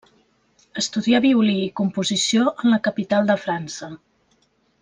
Estudià violí i composició en la capital de França.